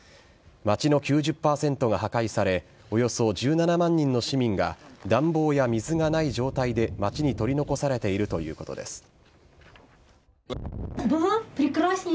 街の９０％が破壊され、およそ１７万人の市民が暖房や水がない状態で街に取り残されているということです。